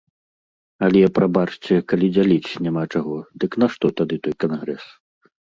Але, прабачце, калі дзяліць няма чаго, дык нашто тады той кангрэс?